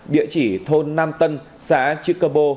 địa chỉ thôn nam tân xã trư cơ bô